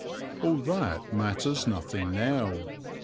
All that matters nothing now.